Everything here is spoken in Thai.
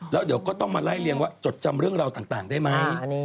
แล้วเดี๋ยวก็ต้องมาไล่เรียงว่าจดจำเรื่องราวต่างได้ไหม